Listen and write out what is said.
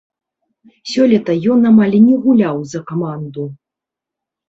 Сёлета ён амаль не гуляў за каманду.